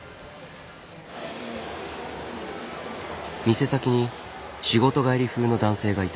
店先に仕事帰り風の男性がいた。